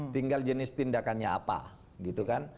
tinggal jenis tindakannya apa gitu kan